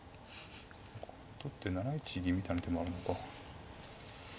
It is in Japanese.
取って７一銀みたいな手もあるのか。